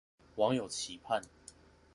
網友期盼